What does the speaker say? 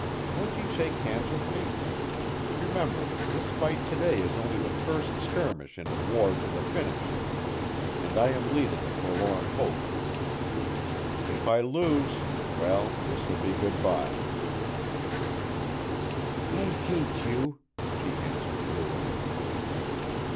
Won't you shake hands with me? Remember, this fight to day is only the first skirmish in a war to the finish and I am leading a forlorn hope. If I lose well, this will be good bye." "I hate you," she answered drearily.